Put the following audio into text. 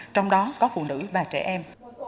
trong đó có phụ nữ và trẻ em